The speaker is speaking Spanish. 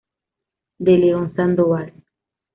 De León Sandoval.